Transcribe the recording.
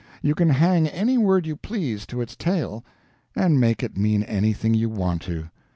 You can hang any word you please to its tail, and make it mean anything you want to.